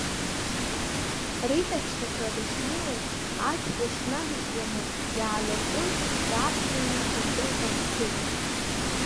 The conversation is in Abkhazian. Рита шьҭахьла дышнеиуаз ашә лыҽнадыжьланы иаалыртын, даақәҵәины, дындәылҟьа дцеит.